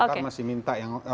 gokar masih minta